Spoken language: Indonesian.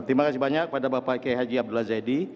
terima kasih banyak kepada bapak haji abdul azadi